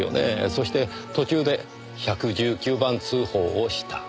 そして途中で１１９番通報をした。